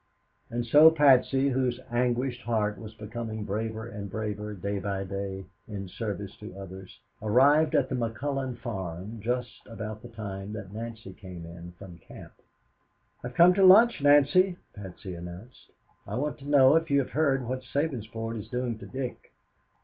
And so Patsy, whose anguished heart was becoming braver and braver day by day in service to others, arrived at the McCullon farm just about the time that Nancy came in from camp. "I have come to lunch, Nancy," Patsy announced. "I want to know if you have heard what Sabinsport is doing to Dick."